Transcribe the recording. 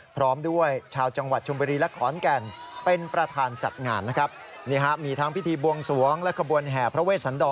พร้อมด้วยชาวจังหวัดชุมบุรีและขอนแก่นเป็นประธานจัดงานนะครับนี่ฮะมีทั้งพิธีบวงสวงและขบวนแห่พระเวชสันดร